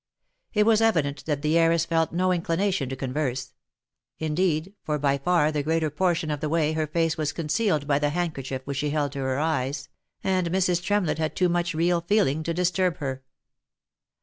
It was evident that the heiress felt no inclination to converse ; indeed, for by far the greater portion of the way her face was con cealed by the handkerchief which she held to her eyes, and Mrs. Tremlett had too much real feeling to disturb her.